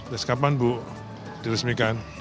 lagi kapan bu diresmikan